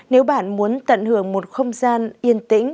nếu bạn muốn tận hưởng một không gian yên tĩnh